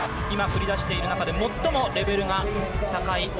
今繰り出している中で最もレベルが高い